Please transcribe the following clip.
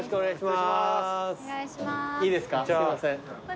すいません。